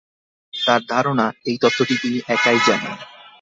তাঁর ধারণা, এই তথ্যটি তিনি একাই জানেন।